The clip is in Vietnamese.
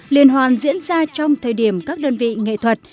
liên hoan diễn ra trong thời điểm các đơn vị nghệ thuật